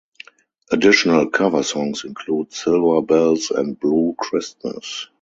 Additional cover songs include "Silver Bells" and "Blue Christmas".